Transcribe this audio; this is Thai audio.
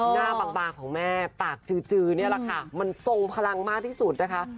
หน้าบางของแม่ปากจือนี่แหละค่ะมันทรงพลังมากที่สุดนะคะ